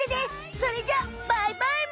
それじゃあバイバイむ！